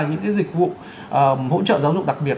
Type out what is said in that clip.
những dịch vụ hỗ trợ giáo dục đặc biệt